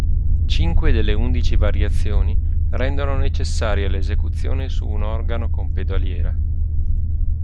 Cinque delle undici variazioni rendono necessaria l'esecuzione su un organo con pedaliera.